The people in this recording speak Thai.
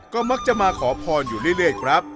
ก็มักจะมาขอพรอยู่เรื่อยครับ